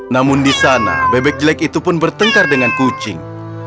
namun di sana bebek jelek itu pun bertengkar dengan kucing